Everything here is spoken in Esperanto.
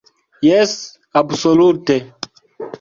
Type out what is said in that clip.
Jes, absolute!